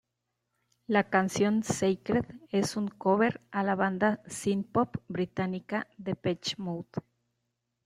La canción ""Sacred"" es un cover a la banda synthpop británica Depeche Mode.